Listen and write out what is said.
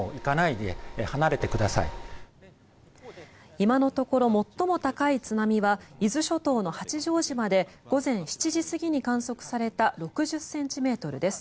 今のところ最も高い津波は伊豆諸島の八丈島で午前７時過ぎに観測された６０ｃｍです。